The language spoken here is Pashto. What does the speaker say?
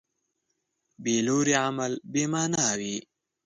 بېلوري عمل بېمانا وي.